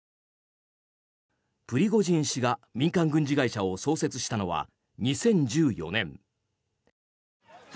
プリゴジン氏が民間軍事会社を創設したのは２０１４年。